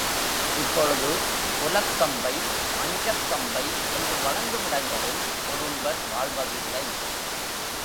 இப்பொழுது குலக்கம்பை, மஞ்சக் கம்பை என்று வழங்கும் இடங்களில் குறும்பர் வாழ்வதில்லை.